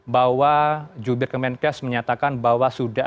bahwa jubir kemenkes menyatakan bahwa sudah